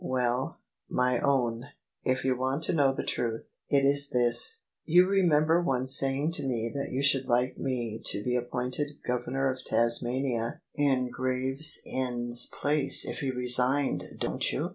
"Well, my own, if you want to know the truth. It is this. You remember once saying to me that you should like me to be appointed Governor of Tasmania in Gravesend's place if he resigned, don't you?